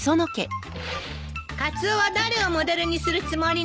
カツオは誰をモデルにするつもりなの？